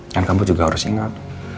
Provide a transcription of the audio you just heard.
dan kamu juga harus ingat